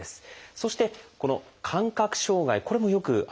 そしてこの「感覚障害」これもよく現れる症状です。